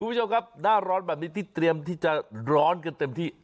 คุณผู้ชมครับหน้าร้อนแบบนี้ที่เตรียมที่จะร้อนกันเต็มที่